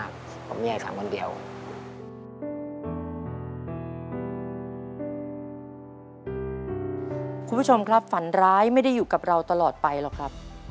คุณผู้ชมครับฝันร้ายไม่ได้อยู่กับเราตลอดไปหรอกครับ